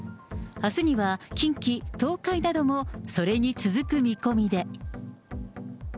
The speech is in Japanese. あすには近畿、東海などもそれに続く見込みで。